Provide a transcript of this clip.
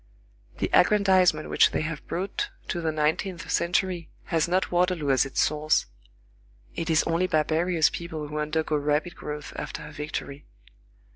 The aggrandizement which they have brought to the nineteenth century has not Waterloo as its source. It is only barbarous peoples who undergo rapid growth after a victory.